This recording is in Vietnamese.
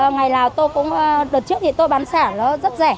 ngày nào tôi cũng đợt trước thì tôi bán sản nó rất rẻ